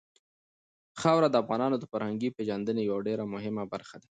خاوره د افغانانو د فرهنګي پیژندنې یوه ډېره مهمه برخه ده.